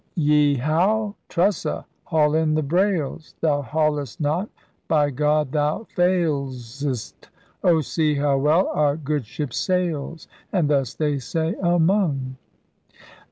Y howe! Trussa! Haul in the brailes ! Thou haulest not! By God, thou failes[t]. O see how well our good ship sails! And thus they say among.